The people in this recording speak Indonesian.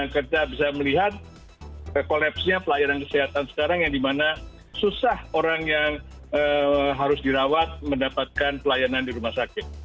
kita bisa melihat kolapsnya pelayanan kesehatan sekarang yang dimana susah orang yang harus dirawat mendapatkan pelayanan di rumah sakit